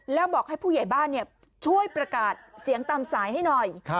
แล้วบอกให้ผู้ใหญ่บ้านช่วยประกาศเสียงตามสายให้หน่อย